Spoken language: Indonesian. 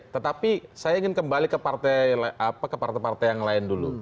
tetapi saya ingin kembali ke partai partai yang lain dulu